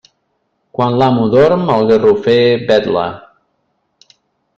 Quan l'amo dorm, el garrofer vetla.